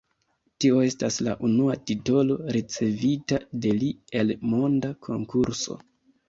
Tio estas la unua titolo, ricevita de li el monda konkurso.